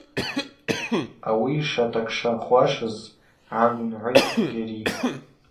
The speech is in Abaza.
Ауи шатакшахуашыз гӏайгвынгӏвытӏ Гьари.